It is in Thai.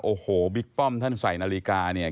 โอ้โหบิ๊กป้อมท่านใส่นาฬิกาเนี่ย